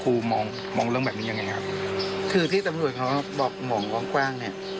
มองมองเรื่องแบบนี้ยังไงครับคือที่ตำรวจเขาบอกมองกว้างกว้างเนี่ย